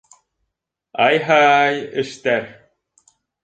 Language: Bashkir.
Ай-һай эштәр!